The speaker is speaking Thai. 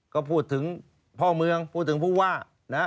ก็พูดถึงพ่อเมืองพูดถึงผู้ว่านะฮะ